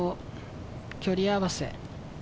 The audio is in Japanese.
距離合わせ。